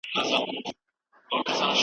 کمپيوټر سوالونه حلوي.